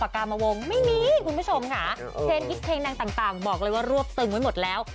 กามวงไม่มีคุณผู้ชมค่ะเทรนดิ๊กเพลงดังต่างบอกเลยว่ารวบตึงไว้หมดแล้ว